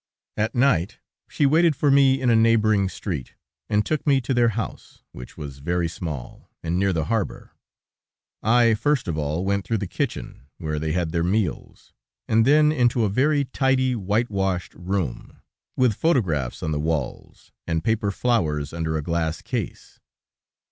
At night she waited for me in a neighboring street, and took me to their house, which was very small, and near the harbor. I first of all went through the kitchen, where they had their meals, and then into a very tidy, whitewashed room, with photographs on the walls, and paper flowers under a glass case.